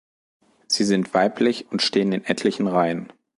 Sie sind weiblich, und stehen in etlichen Reihen.